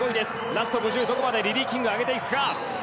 ラスト５０、どこまでリリー・キングは上げていくか。